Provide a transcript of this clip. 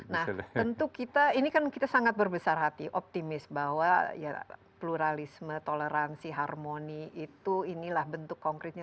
nah tentu kita ini kan kita sangat berbesar hati optimis bahwa ya pluralisme toleransi harmoni itu inilah bentuk konkretnya